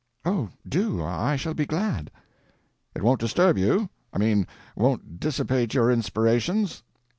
"Oh, do; I shall be glad." "It won't disturb you? I mean, won't dissipate your inspirations?"